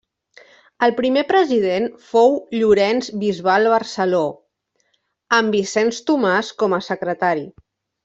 El primer president fou Llorenç Bisbal Barceló, amb Vicenç Tomàs com a secretari.